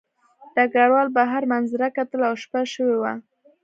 ډګروال بهر منظره کتله او شپه شوې وه